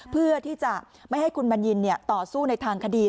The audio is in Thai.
เพื่อที่จะไม่ให้คุณบัญญินต่อสู้ในทางคดี